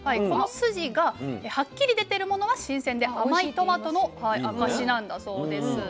この筋がはっきり出てるものは新鮮で甘いトマトの証しなんだそうです。